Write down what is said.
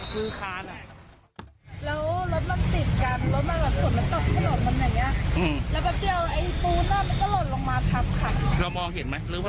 ชะลอถ้าเกิดเร็วอ่ะความแพร่แบนแน่